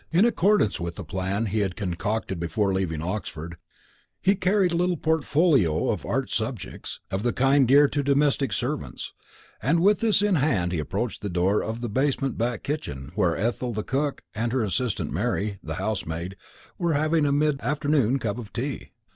In accordance with a plan he had concocted before leaving Oxford, he carried a little portfolio of "art subjects," of the kind dear to domestic servants, and with this in hand he approached the door of the basement back kitchen, where Ethel the cook and her assistant, Mary, the housemaid, were having a mid afternoon cup of tea.